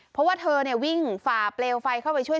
เพราะว่าเธอวิ่งฝ่าเปลวไฟเข้าไปช่วย